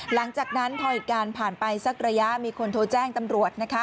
หลังจากนั้นพออีกการผ่านไปสักระยะมีคนโทรแจ้งตำรวจ